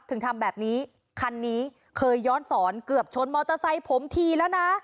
ถึงทำแบบนี้คันนี้เคยย้อนสอนเกือบชนมอเตอร์ไซค์ผมทีแล้วนะ